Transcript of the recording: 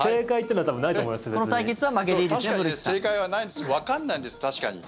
確かに正解はないんですわかんないんです、確かに。